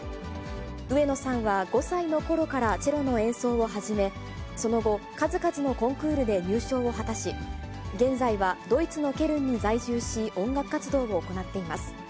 上野さんは５歳のころからチェロの演奏を始め、その後、数々のコンクールで入賞を果たし、現在は、ドイツのケルンに在住し、音楽活動を行っています。